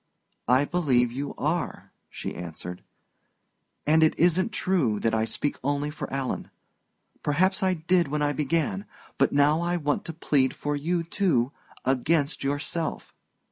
"I believe you are," she answered. "And it isn't true that I speak only for Alan. Perhaps I did when I began; but now I want to plead for you too against yourself."